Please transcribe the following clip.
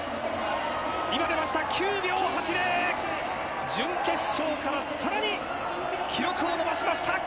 今出ました９秒８０、準決勝からさらに記録を伸ばしました。